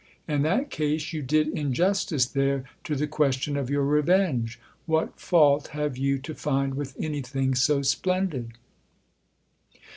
In that case you did injustice there to the THE OTHER HOUSE 273 question of your revenge. What fault have you to find with anything so splendid